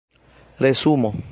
resumo